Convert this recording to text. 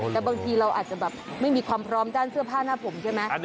แต่บางทีเราอาจจะแบบไม่มีความพร้อมด้านเสื้อผ้าหน้าผมใช่ไหม